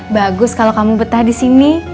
bagus kalau kamu betah di sini